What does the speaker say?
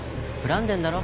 恨んでんだろ？